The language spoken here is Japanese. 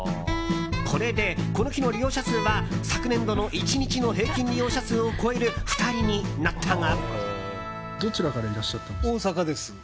これで、この日の利用者数は昨年度の１日の平均利用者数を超える２人になったが。